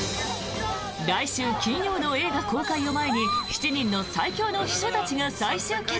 来週金曜の映画公開を前に７人の最強の秘書たちが再集結。